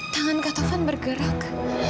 tangan katovan bergerak